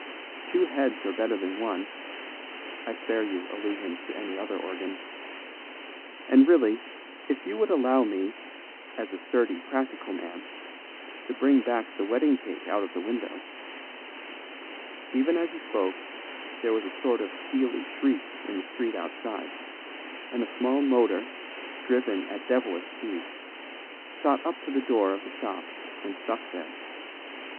Two heads are better than one I spare you allusions to any other organs and really, if you would allow me, as a sturdy, practical man, to bring back the wedding cake out of the window " Even as he spoke, there was a sort of steely shriek in the street outside, and a small motor, driven at devilish speed, shot up to the door of the shop and stuck there.